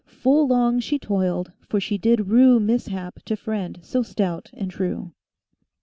Full long she toiled, for she did rue Mishap to friend so stout and true."